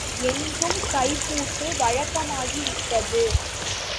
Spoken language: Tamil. எங்கும் கையூட்டு வழக்கமாகி விட்டது.